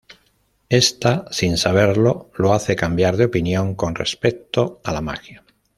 Ésta, sin saberlo, lo hace cambiar de opinión con respecto a la magia.